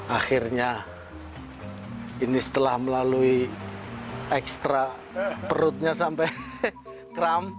akhirnya ini setelah melalui ekstra perutnya sampai kram